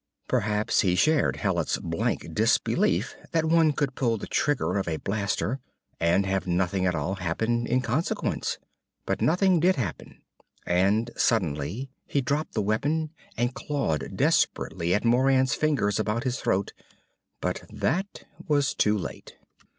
Perhaps he shared Hallet's blank disbelief that one could pull the trigger of a blaster and have nothing at all happen in consequence. But nothing did happen, and suddenly he dropped the weapon and clawed desperately at Moran's fingers about his throat. But that was too late.